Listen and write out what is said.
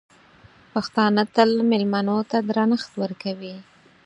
پښتانه تل مېلمنو ته درنښت ورکوي.